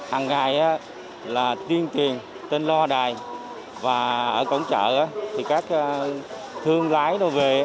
hằng ngày là tuyên truyền tên loa đài và ở cổng chợ thì các thương lái đồ về